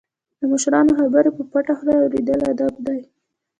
د مشرانو خبرې په پټه خوله اوریدل ادب دی.